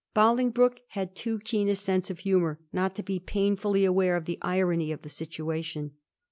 Boling broke had too keen a sense of humour not to be painfully aware of the irony of the situation.